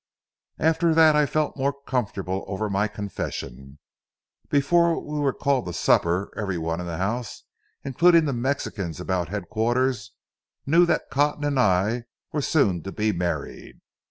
After that I felt more comfortable over my own confession. Before we were called to supper every one in the house, including the Mexicans about headquarters, knew that Cotton and I were soon to be married.